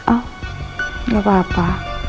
oh enggak apa apa